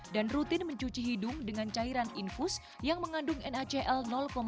dan rutin mencuci hidung dengan cairan infus yang mengandung nacl sembilan